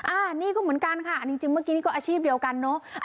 อันนี้ก็เหมือนกันค่ะจริงเมื่อกี้นี่ก็อาชีพเดียวกันเนอะ